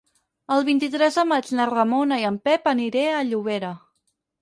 El vint-i-tres de maig na Ramona i en Pep aniré a Llobera.